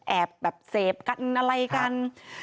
แอบเซภกันในการเดิม